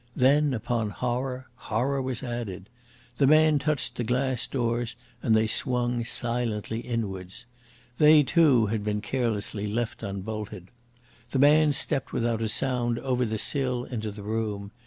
Then upon horror, horror was added. The man touched the glass doors, and they swung silently inwards. They, too, had been carelessly left unbolted. The man stepped without a sound over the sill into the room.